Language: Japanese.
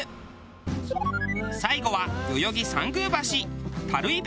最後は代々木参宮橋。